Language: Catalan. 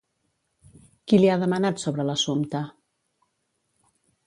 Qui li ha demanat sobre l'assumpte?